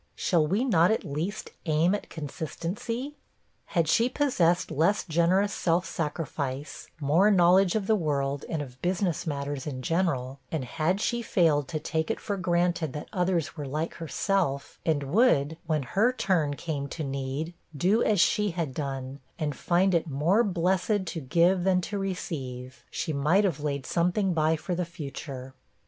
Shall we not at least aim at consistency? Had she possessed less generous self sacrifice, more knowledge of the world and of business matters in general, and had she failed to take it for granted that others were like herself, and would, when her turn came to need, do as she had done, and find it 'more blessed to give than to receive,' she might have laid by something for the future.